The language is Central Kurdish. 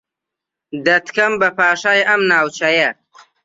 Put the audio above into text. دەتکەم بە پاشای ئەم ناوچەیە